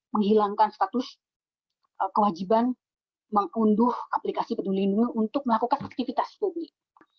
menghilangkan status kewajiban mengunduh aplikasi peduli lindungi untuk melakukan aktivitas publik